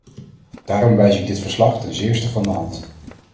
Daarom wijs ik dit verslag ten zeerste van de hand.